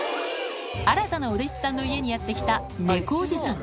新たなお弟子さんの家にやって来た猫おじさん。